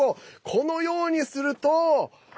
このようにすると。